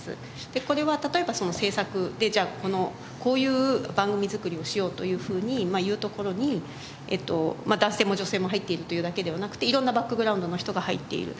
でこれは例えば制作でじゃあこういう番組作りをしようというふうに言うところに男性も女性も入っているというだけではなくて色んなバックグラウンドの人が入っている。